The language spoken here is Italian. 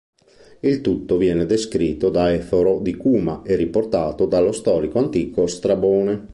Il tutto viene descritto da Eforo di Cuma e riportato dallo storico antico Strabone.